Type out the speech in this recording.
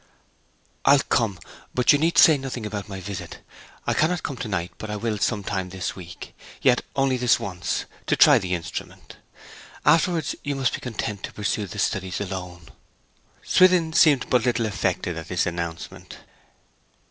'I'll come. But you need say nothing about my visit. I cannot come to night, but I will some time this week. Yet only this once, to try the instrument. Afterwards you must be content to pursue your studies alone.' Swithin seemed but little affected at this announcement.